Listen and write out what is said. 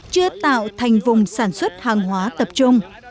chưa tạo thành vùng sản xuất hàng hóa tập trung